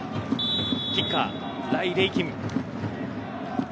キッカー、ライ・レイキン。